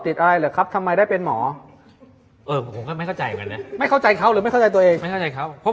เล็กเล็กเล็กเล็กเล็กเล็กเล็กเล็กเล็กเล็กเล็กเล็กเล็ก